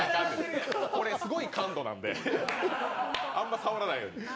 これ、すごい感度なんで、あんま触らないように。